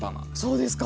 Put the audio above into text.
そうですか。